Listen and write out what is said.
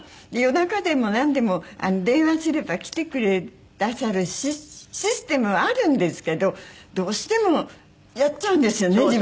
で夜中でもなんでも電話すれば来てくださるシステムはあるんですけどどうしてもやっちゃうんですよね